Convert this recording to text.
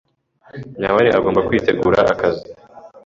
Nyawera agomba kwitegura akazi.